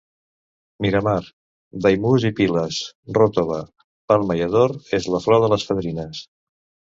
Miramar, Daimús i Piles, Ròtova, Palma i Ador és la flor de les fadrines.